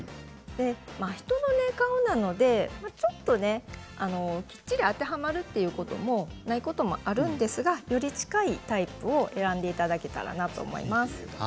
人の顔なのできっちり当てはまるということもないこともあるんですがより近いタイプを選んでいただけたらなと思います。